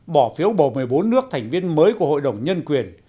bỏ phiếu bầu một mươi bốn nước thành viên mới của hội đồng nhân quyền